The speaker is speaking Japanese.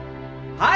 はい！